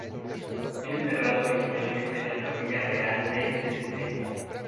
Fue enterrado originalmente en la Capilla Real de St.